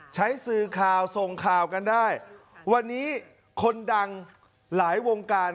สื่อข่าวส่งข่าวกันได้วันนี้คนดังหลายวงการ